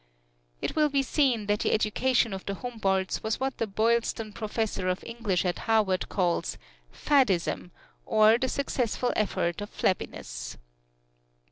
It will be seen that the education of the Humboldts was what the Boylston Professor of English at Harvard calls "faddism, or the successful effort at flabbiness."